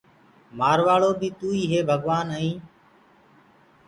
مآروآݪو بيٚ توئيٚ هي ڀگوآن ائين